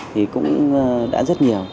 thì cũng đã rất nhiều